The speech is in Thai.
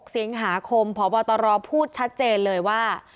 สิงหาคมพบตรพูดชัดเจนเลยว่า